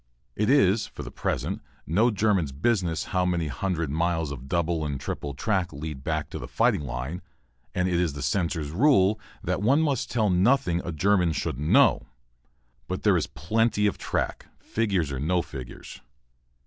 It is for the present no German's business how many hundred miles of double and triple track lead back to the fighting line, and it is the censor's rule that one must tell nothing a German shouldn't know. But there is plenty of track, figures or no figures.